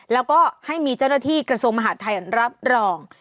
แล้วก็ให้มีเจ้าหน้าที่กระทรวงมหาดไทยรับรอง